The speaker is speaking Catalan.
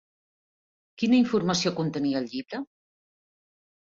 Quina informació contenia el llibre?